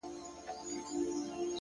ستا سترگو كي بيا مرۍ. مرۍ اوښـكي.